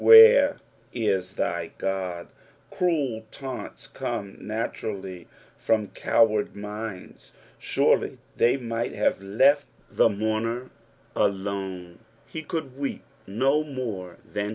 Where it thy Oodf" Cruel taunts come naturally from coward minds. Surely they might have left the mourner alone ; he could weep no more than bk